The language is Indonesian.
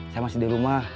saya masih di rumah